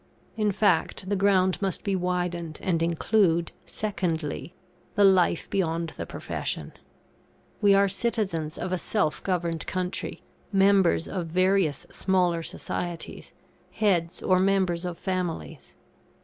In fact, the ground must be widened, and include, secondly, the life beyond the profession. We are citizens of a self governed country; members of various smaller societies; heads, or members of families.